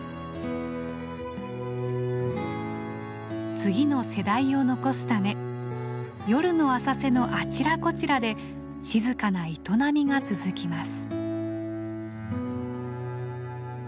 次の世代を残すため夜の浅瀬のあちらこちらで静かな営みが続きます。